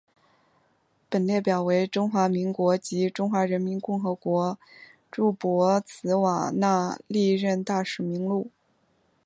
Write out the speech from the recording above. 本列表为中华民国及中华人民共和国驻博茨瓦纳历任大使名录。